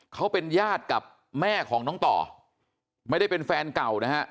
เขาเป็นญาติกับแม่ของน้องต่อไม่ได้เป็นแฟนเก่านะฮะ